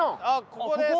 ここです